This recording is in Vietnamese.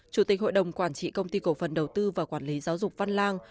chủ tịch hội đồng quản trị công ty cổ phần đầu tư và quản lý giáo dục văn lang